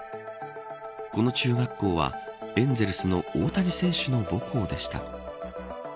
この中学校は、エンゼルスの大谷選手の母校でした。